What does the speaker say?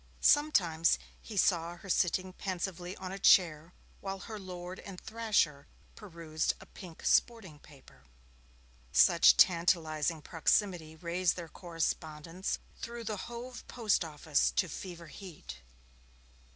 Sometimes he saw her sitting pensively on a chair while her lord and thrasher perused a pink sporting paper. Such tantalizing proximity raised their correspondence through the Hove Post Office to fever heat.